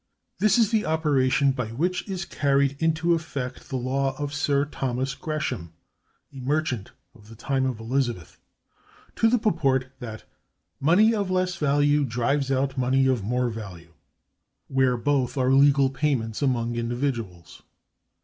This is the operation by which is carried into effect the law of Sir Thomas Gresham (a merchant of the time of Elizabeth) to the purport that "money of less value drives out money of more value," where both are legal payments among individuals.